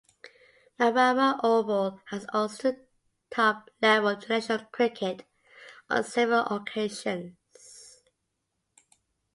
Marrara Oval has hosted top-level international cricket on several occasions.